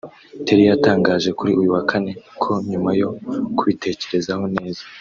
Terry yatangaje kuri uyu wa Kane ko nyuma yo kubitekerezaho neza